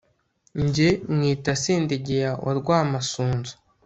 nge mwita sendegeya wa rwamasunzu